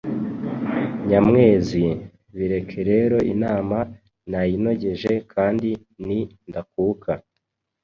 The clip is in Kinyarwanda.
Nyamwezi: Bireke rero inama nayinogeje kandi ni ndakuka.